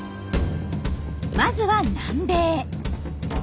まずは南米。